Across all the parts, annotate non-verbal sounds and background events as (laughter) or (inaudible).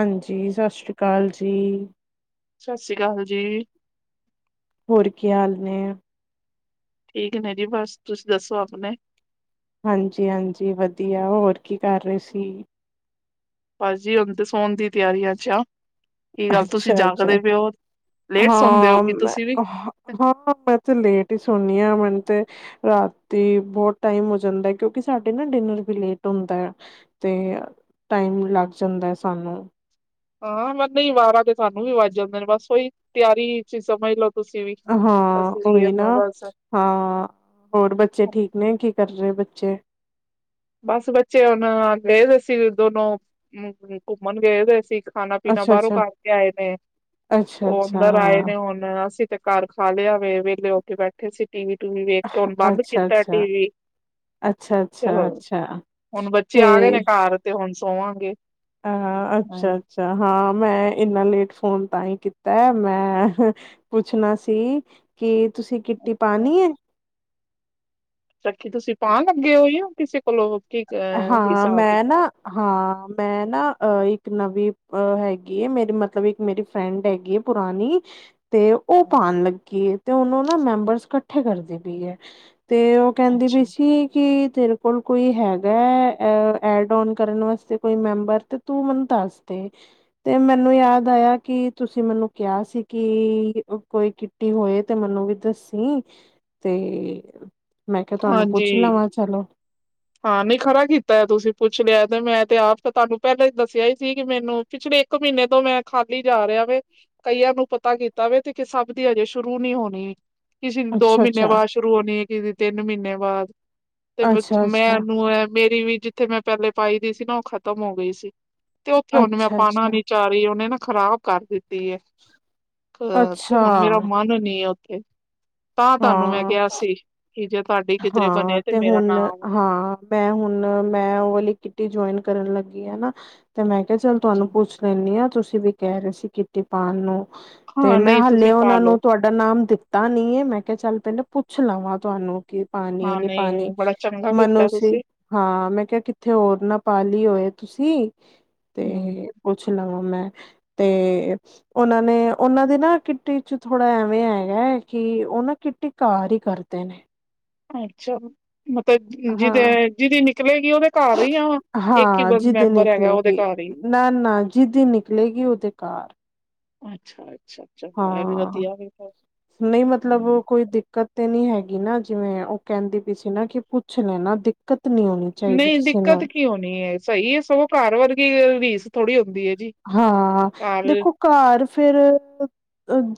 ਹਾਂਜੀ ਸਤਿ ਸ੍ਰੀ ਅਕਾਲ ਜੀ। ਸਤਿ ਸ੍ਰੀ ਅਕਾਲ ਜੀ। ਹੋਰ ਕੀ ਹਾਲ ਨੇਂ। ਠੀਕ ਨੇਂ ਜੀ ਬਸ ਤੁਸੀਂ ਦੱਸੋ ਆਪਣੇ। ਹਾਂਜੀ-ਹਾਂਜੀ ਵਧੀਆ ਹੋਰ ਕੀ ਕਰ ਰਹੇ ਸੀ? ਭਾਜੀ ਹੁਣ ਸੋਣ ਦੀ ਤਿਆਰੀਆਂ ਚ ਆ ਕੀ ਗੱਲ ਤੁਸੀਂ ਅੱਛਾ-ਅੱਛਾ, ਜਾਗਦੇ ਪਏ ਓ ਹਾਂ ਮੈਂ ਹਾਂ, ਮੈਂ ਤੇ ਲੇਟ ਈ ਸੋਨੀ ਆਂ ਮੈਨ ਤੇ ਰਾਤੀ ਬਹੁਤ ਟਾਈਮ ਹੋ ਜਾਂਦਾ ਐ ਕਿਉਂਕਿ ਸਾਡੇ ਨਾਂ ਡਿਨਰ ਵੀ ਲੇਟ ਹੁੰਦਾ ਤੇ (unintelligible) ਟਾਈਮ ਲੱਗ ਜਾਂਦਾ ਹੈ ਸਾਨੂੰ ਹਾਂ ਮ ਨਹੀਂ ਵਾਰਾਂ ਤੇ ਸਾਨੂੰ ਵੀ ਵੱਜ ਜਾਂਦੇ ਨੇਂ ਬਸ ਉਹੀ ਤਿਆਰੀ ਸਮਝ ਲੋ। ਹਾਂ ਉਹੀ ਨਾਂ ਹਾਂ ਹੋਰ ਬੱਚੇ ਠੀਕ ਨੇਂ ਕੀ ਕਰ ਰਹੇ ਬਚ ਜੇ ਬਸ ਬੱਚੇ ਹੁਣ ਗਏਦੇ ਸੀ ਦੋਨੋਂ ਘੁੰਮਣ ਗਏਦੇ ਸੀ। ਖਾਣਾ-ਪੀਣਾ ਬਾਹਰੋਂ ਅੱਛਾ-ਅੱਛਾ, ਕਰ ਕੇ ਆਏ ਨੇਂ ਉਹ ਅੱਛਾ-ਅੱਛਾ, ਅੰਦਰ ਆਏ ਨੇ ਹੁਣ ਅਸੀਂ ਤੇ ਘਰ ਖਾ ਲਿਆ ਵੇ ਵਿਹਲੇ ਹੋ ਕੇ ਬੈਠੇ ਸੀ ਟੀਵੀ ਟੂਵੀ ਵੇਖ ਕੇ ਹੁਣ ਅੱਛਾ-ਅੱਛਾ, ਬੰਦ ਕੀਤਾ ਅੱਛਾ-ਅੱਛਾ, ਟੀ ਵੀ। ਅੱਛਾ ਅੱਛਾ ਅੱਛਾ ਅੱਛਾ ਹੁਣ ਬੱਚੇ ਤੇ ਆ ਗਏ ਨੇਂ ਘਰ ਤੇ ਹੁਣ ਸੋਵਾਂਗੇ। ਅ ਅੱਛਾ ਹੂੰ। ਅੱਛਾ ਹਾਂ। ਮੈਂ ਇੰਨਾ ਲੇਟ ਫੋਨ ਤਾਂ ਹੀ ਕੀਤਾ ਮੈਂ ਪੁੱਛਣਾ ਸੀ ਕਿ ਤੁਸੀਂ ਕਿੱਟੀ ਪਾਣੀ ਐ। ਛੱਕੀ ਤੁਸੀਂ ਪਾ ਲੱਗੇ ਹੋ ਜਾਂ ਕਿਸੇ ਕੋਲੋਂ ਕੀ ਅ ਹਾਂ ਹਿਸਾਬ ਮੈਂ ਨਾ ਕਿਤਾਬ? ਹਾਂ ਮੈਂ ਨਾ ਅ ਇੱਕ ਨਵੀ ਅ ਹੈਗੀ ਐ ਮੇਰੀ ਮਤਲਬ ਇੱਕ ਮੇਰੀ ਫਰੈਂਡ ਹੈਗੀ ਹੈ ਪੁਰਾਣੀ ਤੇ ਉਹ ਪਾਉਣ ਲੱਗੀ ਤੇ ਉਹਨੂੰ ਮੈਂਬਰਸ ਇਕੱਠੇ ਕਰਦੀ ਪਈ ਹੈ। ਤੇ ਉਹ ਕਹਿੰਦੀ ਅੱਛਾ। ਪਈ ਸੀ ਕਿ ਤੇਰੇ ਕੋਲ ਕੋਈ ਹੈਗਾ। ਡ ਨ ਕਰਨ ਵਾਸਤੇ ਕੋਈ ਮੈਂਬਰ ਤੇ ਤੂੰ ਮੈਨੂੰ ਦੱਸ ਦੇ ਤੇ ਮੈਨੂੰ ਮੈਨੂੰ ਯਾਦ ਆਇਆ ਕਿ ਤੁਸੀਂ ਮੈਨੂੰ ਕਿਹਾ ਸੀ ਕਿ ਕੋਈ ਕਿੱਟੀ ਹੋਏ ਤੇ ਮੈਨੂੰ ਵੀ ਦੱਸ, ਸੀ ਤੇ, ਮੈਂ ਕਿਹਾ ਤੁਹਾਨੂੰ ਪੁੱਛ ਹਾਂਜੀ ਲਵਾਂ ਚਲੋ ਹਾਂ ਨਹੀਂ ਖਰਾ ਕੀਤਾ ਤੁਸੀਂ ਪੁੱਛ ਲਿਆ ਤੇ ਮੈਂ ਤੇ ਆਪ ਤਾਂ ਤੁਹਾਨੂੰ ਪਹਿਲਾਂ ਹੀ ਦੱਸਿਆ ਹੀ ਸੀ ਕਿ ਮੈਨੂੰ ਪਿਛਲੇ ਇੱਕ ਮਹੀਨੇ ਤੋਂ ਮੈਂ ਖਾਲੀ ਜਾ ਰਿਹਾ ਵੇ ਕਈਆਂ ਨੂੰ ਪਤਾ ਕੀਤਾ ਵੇ ਤੇ ਸਭ ਦੀ ਹਜੇ ਸ਼ੁਰੂ ਨੀ ਹੋਣੀ। ਕਿਸੇ ਦੀ ਦੋ ਅੱਛਾ ਮਹੀਨੇ ਅੱਛਾ ਬਾਅਦ ਸ਼ੁਰੂ ਹੋਣੀ ਹੈੇ। ਤਿੰਨ ਮਹੀਨੇ ਬਾਅਦ ਤੇ ਅੱਛਾ ਮੈਂ ਅੱਛਾ ਉਹਨੂੰ ਮੇਰੀ ਵੀ ਜਿੱਥੇ ਮੈਂ ਪਹਿਲੇ ਪਾਈ ਦੀ ਸੀ ਨਾ ਉਹ ਖ਼ਤਮ ਹੋ ਗਈ ਸੀ। ਤੇ ਉੱਥੇ ਉਹਨੇ ਮੈਂ ਅੱਛਾ ਪਾਣਾ ਅੱਛਾ ਨੀ ਚ ਰਹੀ ਉਹਹਨੇ ਨਾ ਖ਼ਰਾਬ ਕਰ ਦਿੱਤੀ। ਅ ਤੇ ਅੱਛਾ ਹੁਣ ਮੇਰਾ ਮਨ ਨੀ ਹੈ ਉੱਥੇ, ਤਾਂ ਤੁਹਾਨੂੰ ਮੈਂ ਹਾਂ ਕਿਹਾ ਸੀ ਕੀ ਜੇ ਤੁਹਾਡੀ ਕਿਧਰੇ ਹਾਂ ਬਣੇ ਤੇ ਮੇਰਾ ਹੁਣ ਨਾਮ ਹਾਂ ਮੈਂ ਹੁਣ ਮੈਂ ਉਹ ਵਾਲੀ ਕਿੱਟੀ ਜੁਆਇਨ, ਕਰਨ ਲੱਗੀ ਆ ਤੇ ਮੈਂ ਕਿਹਾ ਚੱਲ ਤੁਹਾਨੂੰ ਪੁੱਛ ਲੈਂਦੀ ਹਾਂ। ਤੁਸੀਂ ਵੀ ਕਹਿ ਰਹੇ ਸੀ ਕਿਟੀ ਪਾਨ ਨੂੰ ਤੇ ਹਾਂ ਮੈਂ ਨਹੀਂ ਹਾਲੇ ਤੁਸੀਂ ਉਹਨਾ ਪਾਲੋ ਨੂੰ ਤੁਹਾਡਾ ਨਾਮ ਦਿੱਤਾ ਨੀ ਮੈਂ ਕਿਹਾ ਚੱਲ ਕਹਿੰਦੇ ਪੁੱਛ ਲਵਾਂ ਤੁਹਾਨੂੰ ਕਿ ਪਾਣੀ ਹਾਂ ਨੀ ਪਾਣੀ ਨਹੀਂ ਬੜਾ ਚੰਗਾ ਮਨੋ ਕੀਤਾ ਸੀ ਤੁਸੀਂ ਹਾਂ ਮੈਂ ਕਿਹਾ ਕਿੱਥੇ ਹੋਰ ਨਾ ਪਾ ਲਈ ਹੋਏ, ਤੁਸੀਂ ਹਮ ਤੇ ਪੁੱਛ ਲਵਾ ਤੇ ਉਹਨਾਂ ਨੇ ਉਹਨਾਂ ਦੀ ਨਾ ਕਿੱਟੀ ਚ ਥੋੜਾ ਐਵੇਂ ਹੈਗਾ ਹੈ ਕਿ, ਉਹ ਨਾ ਕਿਟੀ ਘਰ ਹੀ ਕਰਦੇ ਨੇ, ਅੱਛਾ, ਮਤਲਬ ਜਿਹਦੇ ਹਾਂ ਜਿਹਦੀ ਨਿਕਲੇਗੀ ਉਹਦੇ ਘਰ ਹੀ ਆ ਇੱਕ ਹੀ ਮੈਂਬਰ ਹੈਗਾ ਉਹਦੇ ਘਰ ਹੀ ਨਾ-ਨਾ ਜਿਦੀ ਨਿਕਲੇਗੀ ਉਹਦੇ ਘਰ ਅੱਛਾ ਜੀ ਹਾਂ ਨਹੀਂ ਹਾਂ ਮਤਲਬ ਕੋਈ ਦਿੱਕਤ, ਤੇ ਨੀ ਹੈਗੀ ਨਾ ਜਿਵੇਂ ਉਹ ਕਹਿੰਦੀ ਪਈ ਸੀ ਨਾ ਕਿ ਪੁੱਛ ਲੈਣਾ ਦਿੱਕਤ ਨਹੀਂ ਹੋਣੀ ਚਾਹੀਦੀ ਨਹੀਂ ਕਿਸੇ ਨੂੰ ਦਿੱਕਤ ਕਿਉਂ ਨੀ ਐ ਸਹੀ ਜੀ ਹਾਂ ਘਰ ਦੇਖੋ ਘਰ ਫੇਰ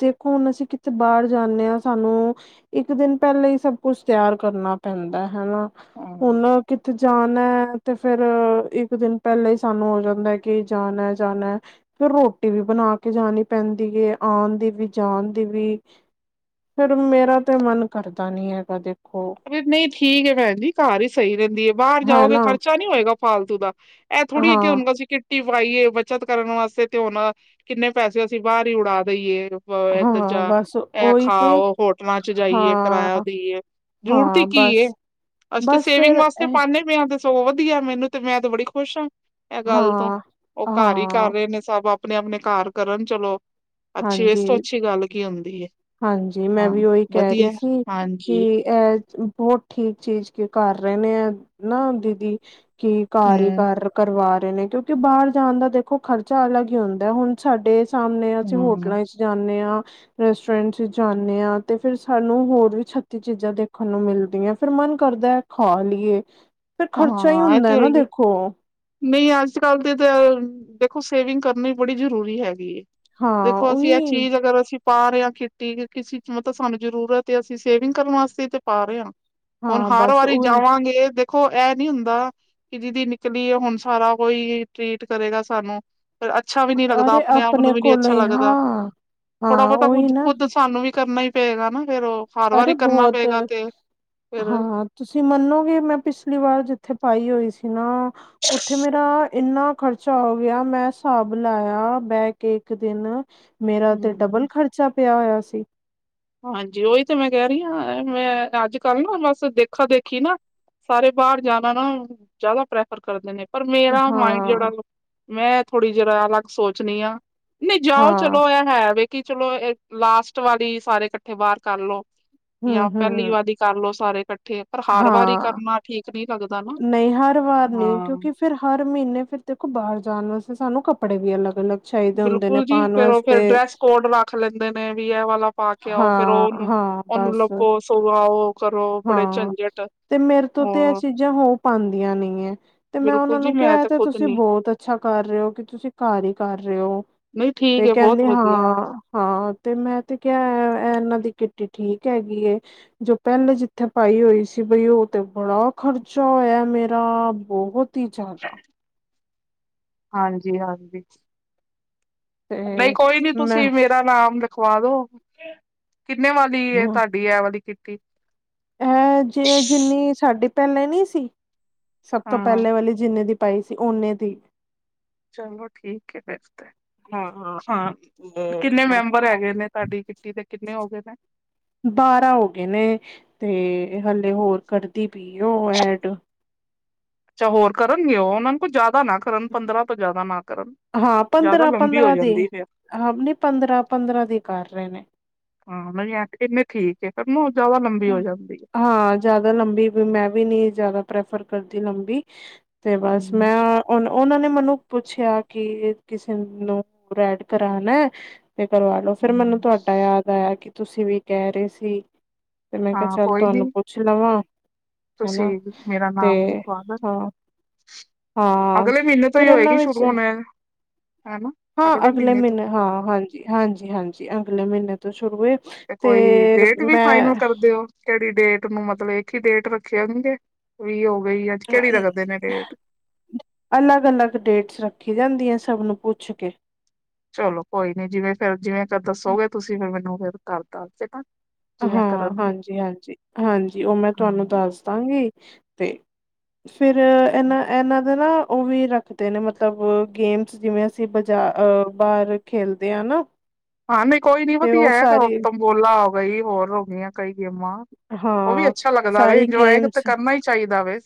ਦੇਖ ਹੁਣ ਅਸੀਂ ਕਿੱਥੇ ਬਾਹਰ ਜਾਣੇ ਹਾਂ ਸਾਨੂੰ ਇੱਕ ਦਿਨ ਪਹਿਲਾਂ ਹੀ ਸਭ ਕੁਛ ਤਿਆਰ ਕਰਨਾ ਪੈਂਦਾ ਹਨਾ ਹਾਂ ਹੁਣ ਕਿਥੇ ਜਾਣਾ ਹੈ ਤੇ ਫੇਰ ਇੱਕ ਦਿਨ ਪਹਿਲਾਂ ਹੀ ਸਾਨੂੰ ਹੋ ਜਾਂਦਾ ਹੈ ਕਿ ਜਾਣ ਹੈ। ਜਾਣਾ ਫਿਰ ਰੋਟੀ ਵੀ ਬਣਾ ਕੇ ਜਾਣੀ ਪੈਂਦੀ ਹੈਏ ਆਉਣ ਦੀ ਵੀ ਜਾਣ ਦੀ ਵੀ, ਫੇਰ ਮੇਰਾ ਤੇ ਮਨ ਕਰਦਾ ਨੀ ਹੈਗਾ ਦੇਖੋ, ਨਹੀਂ ਠੀਕ ਹੈ ਭੈਣ ਜੀ ਘਰ ਹੀ ਸਹੀ ਰਹਿੰਦੀ ਹੈ। ਬਾਹਰ ਜਾਓਗੇ ਹੈਨਾ ਖਰਚਾ ਨੀ ਹੋਏਗਾ ਫਾਲਤੂ ਦਾ ਇਹ ਥੋੜ੍ਹੀ ਕਿ ਹਾਂ ਹੁੰਗਾ ਸੀ ਕਿ, ਟੀ ਪਾਈਏ ਬੱਚਤ ਕਰਨ ਵਾਸਤੇ ਤੇ ਹੁਣ ਕਿੰਨੇ ਪੈਸੇ ਅਸੀਂ ਬਾਹਰ ਹੀ ਉਡਾ ਦੇਈਏ। ਇੱਧਰ ਹਾਂ ਜਾ ਬਸ ਇਹ ਉਹੀ ਤੇ ਖਾਓ ਹੋਟਲਾਂ ਚ ਜਾਈਏ ਕਿਰਾਇਆ ਹਾਂ ਦੇਈਏ। ਜ਼ਰੂਰਤ ਹਾਂ ਹੀ ਕੀ ਏ ਬਸ ਅਸੀ ਤਾ ਬਸ ਸੇਵਿੰਗ ਫੇਰ ਵਾਸਤੇ ਇਹ ਪਾਦੇ ਪਏ ਆ ਦੱਸੋ ਵਧੀਆ ਮੈਨੂੰ ਤੇ ਮੈਂ ਤੇ ਬੜੀ ਖੁਸ਼ ਹਾਂ ਇਹ ਗੱਲ ਤੋਂ ਹਾਂ, ਉਹ ਘਰ ਹੀ ਕਰ ਹਾਂ, ਰਹੇ ਨੇ ਸਭ ਆਪ ਆਪਣੇ ਆਪਣੇ ਘਰ ਕਰਨ ਚਲੋ ਅੱਛੀ ਇਸ ਹਾਂਜੀ, ਤੋਂ ਅੱਛੀ ਗੱਲ ਕੀ ਹੁੰਦੀ ਹੈ। ਹਾਂਜੀ ਮੈਂ ਹਾਂ ਵੀ ਉਹੀ ਕਹਿ ਰਹੀ ਵਧੀਆ ਸੀ ਕਿ ਹਾਂਜੀ ਇਹ ਹੋ ਠੀਕ ਚੀਜ਼ ਕੇ ਕਰ ਰਹੇ ਨੇ ਆ ਨਾ ਦੀਦੀ ਕੀ ਘਰ ਹੀ ਹੂੰ ਕਰ ਕਰਵਾ ਨੇ ਕਿਉਂਕਿ ਬਾਹਰ ਜਾਣ ਦਾ ਦੇਖੋ ਖਰਚਾ ਅਲੱਗ ਹੀ ਹੁੰਦਾ ਹੁਣ ਸਾਡੇ ਸਾਹਮਣੇ, ਅਸੀਂ ਹੂੰ ਹੋਟਲਾਂ ਚ ਜਾਂਨੇ ਹਾਂ। ਰੈਸਟੋਰੈਂਟ ਜਾਂਦੇ ਹਾਂ ਤੇ ਫਿਰ ਸਾਨੂੰ ਹੋਰ ਵੀ ਛੱਤੀ ਚੀਜ਼ਾਂ ਦੇਖਣ ਨੂੰ ਮਿਲਦੀਆਂ ਫੇਰ ਮ ਕਰਦਾ ਖਾ ਲਈਏ ਫਿਰ ਖ਼ਰਚਾ ਹੀ ਹਾਂ ਇਹ ਤੇ ਹੁੰਦਾ ਹੈ ਨਾ ਹੀ ਹੈ। ਦੇਖੋ, ਨਹੀਂ ਅੱਜ ਕੱਲ ਦੀ ਤਾਂ ਦੇਖੋ ਸੇਵਿੰਗ ਕਰਨੀ ਬੜੀ ਜ਼ਰੂਰੀ ਹੈਗੀ। ਹਾਂ ਦੇਖੋ ਅਸੀਂ ਇਹ ਉਹੀ ਚੀਜ਼ ਅਗਰ ਅਸੀਂ ਪਾ ਰਹੇ ਹਾਂ ਖੇਤੀ ਹੁਣ ਹਾਂ ਹਰ ਬਸ ਵਾਰੀ ਉਹੀ ਜਾਵਾਂਗੇ ਦੇਖੋ ਇਹ ਨੀ ਹੁੰ ਅੱਛਾ ਵੀ ਨੀ ਲੱਗਦਾ ਅਰੇ ਆਪਣੇ ਆਪ ਨੂੰ ਵੀ ਨੀ ਕੋਲੋਂ ਅੱਛਾ ਹੀ ਲੱਗਦਾ ਹਾਂ ਥੋੜਾ ਹਾਂ ਬਹੁਤਾ ਉਹੀ ਕੁੱਝ ਨਾ ਖੁੱਦ ਸਾਨੂੰ ਵੀ ਕਰਨਾ ਹੀ ਪਏਗਾ ਨਾ ਫੇਰ ਉਹ ਹਰ ਅਰੇ ਵਾਰੀ ਕਰਨਾ ਬਹੁਤ ਪਏਗਾ ਤੇ ਫੇਰ ਹਾਂ ਤੁਸੀਂ ਮੰਨੋਗੇ ਮੈਂ ਪਿ ਪਰਿਵਾਰ ਜਿੱਥੇ ਪਾਈ ਹੋਈ ਸੀ ਨਾ ਉੱਥੇ ਮੇਰਾ ਇੰਨਾ ਖ਼ਰਚਾ ਹੋ ਗਿਆ ਮੈਂ ਹਿਸਾਬ ਲਾਇਆ ਬਹਿ ਕੇ ਇੱਕ ਦਿਨ ਮੇਰਾ ਤੇ ਹਮ ਡਬਲ ਹਾਂਜੀ ਓਹੀ ਤੇ ਮੈਂ ਕਹਿ ਰਹੀ ਹਾਂ ਮੈਂ ਅੱਜ ਕੱਲ੍ਹ ਨਾ ਬਸ ਦੇਖਾ ਦੇਖੀ ਨਾ ਸਾਰੇ ਬਾਹਰ ਜਾਣਾ ਨਾ ਜ਼ਿਆਦਾ ਪ੍ਰੈਫਰ ਕਰਦੇ ਨੇ ਪਰ ਮੇਰਾ ਮਾਇੰਡ ਜਿਹੜਾ ਹਾਂ ਮੈਂ ਥੋੜ੍ਹੀ ਜੀ ਅਲੱਗ ਸੋਚਣੀ ਆ ਨਹੀਂ ਜਾਓ ਹਾਂ ਚਲੋ ਇਹ ਹੈ ਵੀ ਕਿ ਚਲੋ ਇਹ ਲਾਸਟ ਵਾਲੀ ਸਾਰੇ ਇਕੱਠੇ ਬਾਹਰ ਕਰਲੋ ਹਮ ਜਾਂ ਪਹਿਲੀ ਹਮ ਵਾਰੀ ਕਰਲਓ ਸਾਰੇ ਇਕੱਠੇ ਪਰ ਹਰ ਵਾਰੀ ਹਾਂ ਕਰਨਾ ਠੀਕ ਨਹੀਂ ਲੱਗਦਾ ਨਾ ਨਹੀਂ ਹਰ ਵਾਰ ਨਹੀਂ ਹਾਂ ਕਿਉਂਕਿ ਫਿਰ ਹਰ ਮਹੀਨੇ ਫਿਰ ਦੇਖੋ ਬਾਹਰ ਜਾਣ ਵਾਸਤੇ ਸਾਨੂੰ ਕੱਪੜੇ ਵੀ ਅਲੱਗ ਅਲੱਗ ਚਾਹੀਦੇ ਹੁੰਦੇ ਨੇ ਬਿਲਕੁਲ ਜੀ ਪਾਉਣ ਫੇਰ ਉਹ ਫੇਰ ਵਾਸਤੇ ਡਰੈਸ ਕੋਡ ਰੱਖ ਲੈਂਦੇ ਨੇ ਵੀ ਇਹ ਵਾਲਾ ਪਾ ਕੇ ਆਓ ਫੇਰ ਹਾਂ ਉਹਨੂੰ ਹਾਂ ਉਹਨੂੰ ਬਸ ਲੱਵੋ ਸੁਆਓ ਕਰੋ ਬੜੇ ਹਾਂ ਝੰਜੇ ਤੇ ਮੇਰੇ ਤੋਂ ਤੇ ਇਹ ਚੀਜ਼ਾਂ ਹੋ ਪਾਂਦੀਆਂ ਨੇ ਗਈਆਂ ਤੇ ਮੈਂ ਉਹਨਾਂ ਬਿਲਕੁਲ ਜੀ ਨੂੰ ਮੈਂ ਕਿਹਾ ਤਾਂ ਤੇ ਖੁਦ ਤੁਸੀਂ ਨੀ ਬਹੁਤ ਅੱਛਾ ਕਰ ਰਹੇ ਹੋ ਕਿ ਤੁਸੀਂ ਘਰ ਹੀ ਕਰ ਰਹੇ ਹੋ ਨਹੀਂ ਠੀਕ ਤੇ ਹੈ ਬਹੁਤ ਕਹਿੰਦੇ ਹਾਂ ਵਧੀਆ ਹੈ। ਹਾਂ ਤੇ ਮੈਂ ਤੇ ਕ ਇਹਨਾਂ ਦੀ ਕਿੱਟੀ ਠੀਕ ਹੈਗੀ ਜੋ ਪਹਿਲੇ ਜਿੱਥੇ ਪਾਈ ਹੋਈ ਸੀ ਬਈ ਉਹ ਤੇ ਬੜਾ ਖ਼ਰਚਾ ਹੋਇਆ ਮੇਰਾ ਬਹੁਤ ਹੀ ਜ਼ਿਆਦਾ ਹਾਂਜੀ ਹਾਂਜੀ ਤੇ ਨਹੀਂ ਕੋਈ ਨੀ ਮੈਂ ਤੁਸੀਂ ਮੇਰਾ ਨਾਮ ਖਵਾ ਦੋ ਕਿੰਨੇ ਵਾਲੀ ਹਾਂ, ਤੁਹਾਡੀ ਇਹ ਵਾਲੀ ਕਿੱਟੀ ਇਹ ਜੇ ਜਿੰਨੀ ਸਾਡੀ ਪਹਿਲੇ ਨੀ ਸੀ ਸਭ ਤੋਂ ਹਾਂ। ਪਹਿਲੇ ਵਾਲੀ ਜਿੰਨੇ ਦੀ ਪਾਈ ਸੀ ਓਨੇ ਦੀ ਚਲੋ ਠੀਕ ਹੈ ਫਿਰ ਤੇ ਹਾਂ ਤੇ ਕਿੰਨੇ ਮੈਂ ਮੈਂਬਰ ਕਿਹਾ ਹੈਗੇ ਨੇ ਤੁਹਾਡੀ ਕਿੱਟੀ ਦੇ ਕਿੰਨੇ ਹੋ ਗਏ ਨੇ? ਬਾਰਾਂ ਹੋ ਗਏ ਨੇ ਤੇ ਹਲੇ ਹੋਰ ਕਰਦੀ ਪਈ ਯੂ ਐਡ ਅੱਛਾ ਹੋਰ ਕਰਨਗੇ ਉਹ ਉਹਨਾਂ ਨੂੰ ਕੋਲ ਜ਼ਿਆਦਾ ਨਾ ਕਰਨ ਪੰਦਰਾਂ ਤੋਂ ਜ਼ਿਆਦਾ ਨਾ ਕਰਨ। ਹਾਂ ਜ਼ਿਆਦਾ ਪੰਦਰਾਂ ਲੰਬੀ ਹੋ ਪੰਦਰਾਂ ਦੀ ਜਾਂਦੀ ਫਿਰ ਹਾਂ ਨੀ ਪੰਦਰਾਂ ਪੰਦਰਾਂ ਦੀ ਕਰ ਰਹੇ ਨੇ ਹਾਂ ਮੈਂ ਆਖ ਕੇ ਠੀਕ ਐ ਫਿਰ ਜ਼ਿਆਦਾ ਲੰਬੀ ਹੋ ਜਾਂਦੀ ਹੈ। ਹਾਂ ਜਿਆਦਾ ਲੰਬੀ ਵੀ ਮੈਂ ਵੀ ਨੀ ਜਿਆਦਾ ਪ੍ਰੈਫਰ ਕਰਦੀ ਲੰਬੀ ਤੇ ਬਸ ਮੈਂ ਉਹ ਉਹਨਾਂ ਨੇ ਮੈਨੂੰ ਪੁੱਛਿਆ ਕਿ ਕਿਸੇ ਨੂੰ ਰੈਡ ਕਰਾਣਾ ਤੇ ਕਰਵਾ ਲੋ ਫਿਰ ਮੈਨੂੰ ਹੂੰ। ਤੁਹਾਡਾ ਯਾਦ ਆਇਆ ਕਿ ਤੁਸੀਂ ਵੀ ਕਹਿ ਰਹੇ ਸੀ ਤੇ ਮੈਂ ਕਿਹਾ ਹਾਂ ਚੱਲ ਕੋਈ ਤੁਹਾਨੂੰ ਨੀ ਪੁੱਛ ਲਵਾਂ ਤੁਸੀਂ ਹਨਾ ਮੇਰਾ ਤੇ ਨਾਮ ਲਿਖਵਾ ਦੋ। ਹਾਂ ਹਾਂ ਅਗਲੇ ਮਹੀਨੇ ਤੋਂ ਫਿਰ ਹੀ ਇਹਨਾਂ ਹੋਏਗੀ ਵਿੱਚ ਸ਼ੁਰੂ ਹੋਣਾ ਹਾਂ ਅਗਲੇ ਮਹੀਨੇ ਹਾਂ ਹਾਂਜੀ ਹਾਂਜੀ ਹਾਂਜੀ ਅਗਲੇ ਮਹੀਨੇ ਤੋਂ ਸ਼ੁਰੂ ਏ ਤੇ ਕੋਈ ਡੇਟ ਵੀ ਮੈਂ ਫਾਈਨਲ ਕਰਦਿਓ ਕਿਹੜੀ ਡੇਟ ਨੂੰ ਮਤਲਬ ਇੱਕ ਹੀ ਡੇਟ ਰੱਖਿਆ ਨੂੰ ਵੀ ਉਹ ਅਲੱਗ ਅਲੱਗ ਡੇਟਸ ਰੱਖੀ ਜਾਂਦੀਆਂ ਤਵ ਨੂੰ ਪੁੱਛ ਕੇ ਚਲੋ ਕੋਈ ਨੀ ਜਿਵੇਂ ਫਿਰ ਜਿਵੇਂ ਦੱਸੋਗੇ ਤੁਸੀਂ ਫਿਰ ਮੈਨੂੰ ਫਿਰ ਘਰ ਦੱਸ ਦੇਨਾ। ਹਾਂ, ਹਾਂਜੀ ਹਾਂਜੀ, ਹਾਂਜੀ ਓ ਮੈਂ ਤੁਆਨੂੰ ਦੱਸ ਦਾਂਗੀ। ਤੇ ਫਿਰ ਐਨਾਂ ਐਨਾਂ ਦਾ ਨਾ ਓ ਵੀ ਰੱਖਦੇ ਨੇ ਮਤਲਬ ਗੇਮਸ ਜਿਵੇ ਅਸੀਂ ਬਜਾ ਬਾਰ ਖੇਲਦੇ ਆ ਨਾ ਹਾਂ ਨਈ ਕੋਈ ਨੀ ਤੇ ਉਹ ਵਧੀਐ, ਸਾਰੀ ਤੰਬੋਲਾ ਹੋ ਗਈ ਹੋਰ ਹੋ ਗਈਆ ਕਈ ਗੇਮਾਂ, ਓ ਵੀ ਹਾਂ ਅੱਛਾ ਲੱਗਦਾ ਵੇ ਸਾਰੀ ਇੰਜੋਏ ਤੇ ਕਰਨਾ ਈ ਚਾਈਦਾ ਵੇ।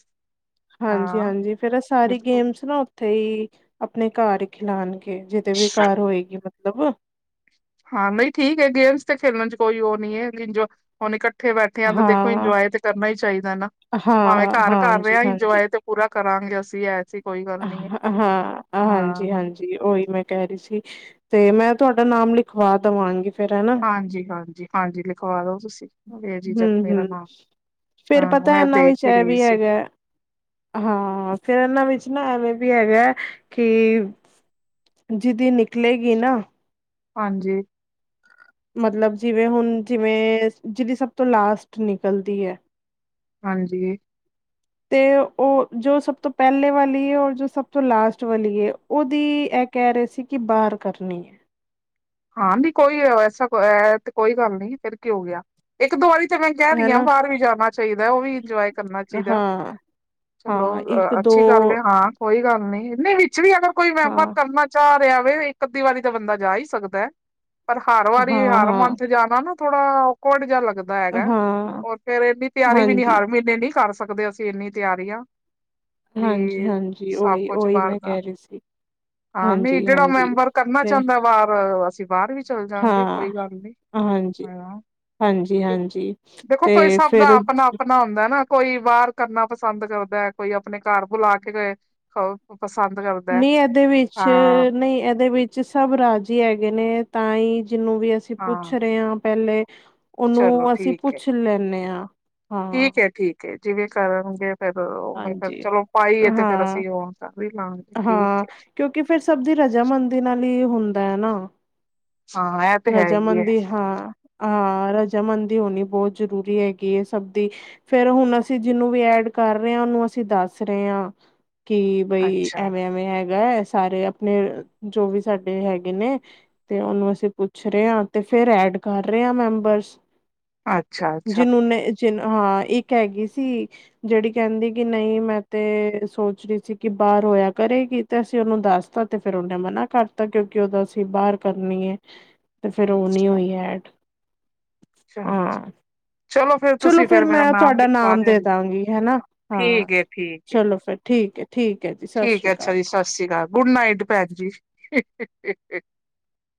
ਹਾਂਜੀ ਹਾਂ ਹਾਂਜੀ ਫੇਰ ਏ ਸਾਰੀ ਬਿਲਕੁਲ ਗੇਮਸ ਨਾ ਓਥੇ ਈ ਅਪਨੇ ਘਰ ਖਿਲਾਨ ਜਿਤੇ ਵੀ ਘਰ ਹੋਏਗੀ ਮਤਲਬ ਹਾਂ ਨਈ ਠੀਕ ਏ, ਗੇਮਸ ਤੇ ਖੇਲਣ ਚ ਕੋਈ ਓ ਨੀ ਏ ਇੰਜੋ ਹੁਨ ਇਕੱ ਠੇ ਬੈਠੇ ਆ ਤਾਂ ਦੇਖੋ ਹਾਂ, ਇੰਜੋਏ ਤੇ ਕਰਨਾ ਹੀ ਚਾਈਦਾ ਨਾ। ਭਾਵੇ ਹਾਂ, ਘਰ ਕਰ ਰਏ ਆ ਹਾਂਜੀ-ਹਾਂਜੀ। ਈਂਜੋਏ ਤੇ ਪੂਰਾ ਕਰਾਂਗੇ ਅਸੀ ਐ ਹਾਂ, ਹਾਂਜੀ ਹਾਂ ਹਾਂਜੀ ਓਈ ਮੈਂ ਕੈ ਰਈ ਸੀ ਤੇ ਮੈਂ ਤੁਆਡਾ ਨਾਮ ਲਿਖਵਾ ਦਵਾਂਗੀ। ਹਾਂਜੀ, ਹਾਂਜੀ, ਹਾਂਜੀ, ਲਿਖਵਾ ਦੋ ਤੁਸੀ ਬੇਝਿਝਕ ਮੇਰਾ ਹੂੰ-ਹੂੰ। ਨਾਮ। ਫੇਰ ਹਾਂ ਪਤਾ ਮੈਂ ਇਨਾਂ ਦੇਖ ਵਿੱਚ ਹੀ ਐ ਰਹੀ ਵੀ ਸੀ ਹੈਗਾ, ਹਾਂ ਫੇਰ ਇਨਾਂ ਵਿੱਚ ਨਾ ਐਵੇਂ ਵੀ ਹੈਗਾ ਕਿ ਜਿਦੀ ਨਿਕਲੇਗੀ ਨਾ ਹਾਂਜੀ। ਮਤਲਬ ਜਿਵੇਂ ਹੁਨ ਜਿਵੇਂ ਜਿਦੀ ਸਬ ਤੋਂ ਲਾਸਟ ਨਿਕਲਦੀ ਐ ਹਾਂਜੀ। ਤੇ ਓ ਜੋ ਸਭ ਤੋਂ ਪੈਲੇ ਵਾਲੀ ਏ ਓਰ ਜੋ ਸਭ ਤੋਂ ਲਾਸਟ ਵਾਲੀ ਏ ਓਦੀ ਐ ਕੈ ਰਏ ਸੀ ਕਿ ਬਾਰ ਕਰਨੀ ਏ। ਹਾਂ ਨੀ ਕੋਈ ਐਸਾ ਤੇ ਕੋਈ ਗੱਲ ਨਈ ਫੇਰ ਕਿ ਹੋ ਗੇਆ, ਇੱਕ-ਦੋ ਵਾਰੀ ਤੇ ਮੈਂ ਕੈ ਰਈ ਆ ਹਨਾ ਬਾਰ ਵੀ ਜਾਨਾ ਚਾਈਦਾ ਓ ਵੀ ਇੰਜੋਏ ਕਰਨਾ ਚਾਈਦਾ, ਹਾਂ, ਚਲੋ ਹਾਂ ਅੱਛੀ ਗੱਲ ਐ ਹਾਂ ਕੋਈ ਗੱਲ ਨੀ, ਨਈ ਵਿੱਚ ਵੀ ਅਗਰ ਕੋਈ ਵੈਮਵ ਹਾਂ, ਕਰਨਾ ਚਾਅ ਰੇਆ ਵੇ ਇੱਕ ਅੱਧੀ ਵਾਰੀ ਤਾਂ ਬੰਦਾ ਜਾ ਹੀ ਸਕ ਦੈ ਪਰ ਹਰ ਹਾਂ, ਵਾਰੀ ਹਰ ਹਾਂ, ਮੰਥ ਜਾਨਾ ਨਾ ਥੋੜਾ ਓਕਵਡ ਜਾ ਲੱ ਗਦਾ ਹੈਗਾ, ਹਾਂ, ਹੋਰ ਫੇਰ ਏਨੀ ਤਿਯਾਰੀ ਵੀ ਨੀ ਹਾਂਜੀ। ਹਰ ਮੀਨੇ ਨਈ ਕਰ ਸਕਦੇ ਅਸੀਂ ਏਨੀ ਤਿਯਾਰੀਆਂ। ਹਾਂਜੀ, ਵੀ ਹਾਂਜੀ ਸਬ ਉਹੀ, ਕੁਛ ਉਹੀ ਬਾਰ ਮੈਂ ਦਾ। ਕਹਿ ਰਹੀ ਸੀ ਹਾਂ ਨੀ ਹਾਂਜੀ, ਜੇੜਾ ਹਾਂਜੀ। ਮੈਂਬਰ ਕਰਨਾ ਤੇ ਚਾਂਦਾ ਬਾਰ ਅਸੀ ਬਾਰ ਵੀ ਚੱਲ ਜਾਂਗੇ ਹਾਂ, ਕੋਈ ਗੱਲ ਨੀ। ਹਾਂਜੀ, ਹਾਂਜੀ, ਹਾਂਜੀ ਦੇਖੋ ਤੇ ਕੋਈ ਸਬ ਦਾ ਫਿਰ ਅਪਨਾ ਅਪਨਾ ਹੁੰਦਾ ਨਾ ਕੋਈ ਬਾਰ ਕਰਨਾ ਪਸੰਦ ਕਰਦੈ, ਕੋਈ ਆਪਨੇ ਘਰ ਬੁਲਾ ਕੇ ਪਸੰਦ ਕਰਦਾ ਨਈ ਐਦੇ ਵਿੱਚ ਹਾਂ, ਨਈ ਐਦੇ ਵਿੱਚ ਸਬ ਰਾਜੀ ਹੈਗੇ ਨੇ ਤਾਂ ਈ ਜਿਨੂੰ ਵੀ ਅਸੀਂ ਪੁੱਛ ਹਾਂ ਰਏ ਆ ਪੈਲੇ ਚਲੋ ਠੀਕ ਏ, ਆ ਹਾਂ ਠੀਕ ਏ ਠੀਕ ਏ ਜਿਵੇ ਕਰੋਂਗੇ ਫੇਰ ਓਵੇਂ ਫੇਰ ਹਾਂਜੀ ਚਲੋ ਪਾਈਏ ਤੇ ਫੇਰ ਹਾਂ ਅਸੀ ਓ ਕਰ ਈ ਲਾਂਗੇ ਠੀਕ ਏ। ਰਜ਼ਾਮੰਦੀ ਨਾਲ ਹੀ ਹੁੰਦਾ ਹੈ ਨਾ। ਹਾਂ ਇਹ ਤੇ ਹੈ ਹੀ ਹੈ ਰਜਾਮੰਦੀ ਹਾਂ ਹਾਂ ਰਜਾਮਦੀ ਹੋਨੀ ਬੋਤ ਜ਼ਰੂਰੀ ਹੈਗੀ ਏ ਸਭ ਦੀ ਫੇਰ ਹੁਨ ਅਸੀ ਜਿਨੂੰ ਵੀ ਐਡ ਕਰ ਰਏ ਆ ਓਨੂੰ ਅਸੀ ਦੱਸ ਰਏ ਆ ਕਿ ਬਈ ਅੱਛਾ, ਐਵੇਂ ਐਵੇਂ ਹੈਗੈ ਸਾਰੇ ਅਪਨੇ ਜੋ ਵੀ ਸਾਡੇ ਹੈਗੇ ਨੇ ਤੇ ਓਨੂੰ ਅਸੀਂ ਪੁੱ ਛ ਰਏ ਤੇ ਫੇਰ ਐਡ ਕਰ ਰੇਆ ਮੈਂਬਰਸ। ਅੱਛਾ, ਅੱਛਾ। ਚਿਨ ਹਾਂ ਇੱਕ ਹੈਗੀ ਸੀ ਜੇੜੀ ਕੈਂਦੀ ਕਿ ਨਈ ਮੈਂ ਤੇ ਸੋਚ ਰਈ ਸੀ ਕਿ ਬਾਰ ਹੋਏਆ ਕਰੇਗੀ ਤੇ ਅਸੀਂ ਓਨੂੰ ਦੱਸਤਾ ਤੇ ਫੇਰ ਓਨੇ ਮਨਾ ਕਰਤਾ ਕੇਓਂ ਕਿ ਓਦਾ ਸੀ ਬਾਰ ਕਰਨੀ ਏ। ਤੇ ਫੇਰ ਓ ਨਈ ਅੱਛਾ ਹੋਈ ਐਡ। ਚਲੋ, ਹਾਂ ਚਲੋ ਫੇਰ ਚਲੋ ਤੁਸੀ ਫਿਰ ਫੇਰ ਮੇਰਾ ਮੈਂ ਨਾਮ ਤੁਹਾਡਾ ਲਿਖਵਾ ਦੇਯਾ ਦੇ ਜੇ, ਦਾਂਗੀ ਹਨਾ ਹਾਂ ਠੀਕ ਏ ਠੀਕ ਏ। ਚਲੋ ਫਿਰ ਠੀਕ ਹੈ ਠੀਕ ਹੈ ਜੀ ਸਤਿ ਠੀਕ ਸ਼੍ਰੀ ਹੈ ਅਕਾਲ ਅੱਛਾ ਜੀ ਸਤਿ ਸ਼੍ਰੀ ਅਕਾਲ ਗੁੱਡ ਨਾਈਟ ਭੈਣ ਜੀ